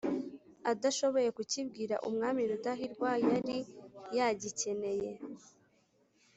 adashoboye kukibwira umwami rudahigwa yari yakigeneye.